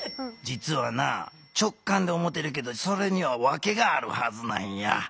じつはな直感って思ってるけどそれにはわけがあるはずなんや。